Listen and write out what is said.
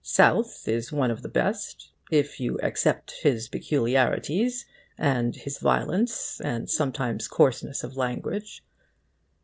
South is one of the best, if you except his peculiarities, and his violence, and sometimes coarseness of language.